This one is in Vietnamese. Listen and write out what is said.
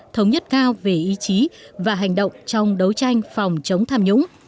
thống nhất cao về ý chí và hành động trong đấu tranh phòng chống tham nhũng